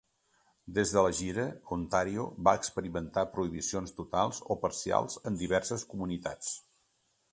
Des de la gira, Ontario va experimentar prohibicions totals o parcials en diverses comunitats.